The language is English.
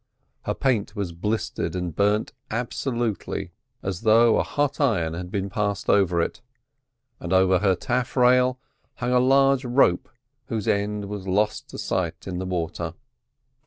Her paint was blistered and burnt absolutely as though a hot iron had been passed over it, and over her taffrail hung a large rope whose end was lost to sight in the water.